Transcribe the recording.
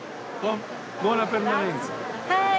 はい。